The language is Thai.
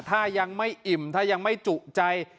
ถ้ายังไม่อิ่มถ้ายังไม่จุใจ